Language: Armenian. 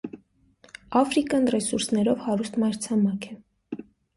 Աֆրիկան ռեսուրսներով հարուստ մայրցամաք է։